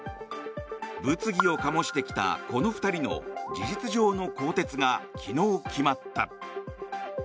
物議を醸してきたこの２人の事実上の更迭が昨日決まった。